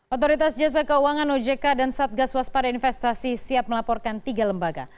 otoritas jasa keuangan ojk dan satgas waspada investasi siap melaporkan tiga lembaga